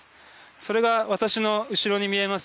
それが私の後ろに見えます